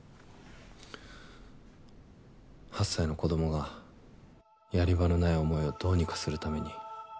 ８歳の子どもがやり場のない想いをどうにかするために。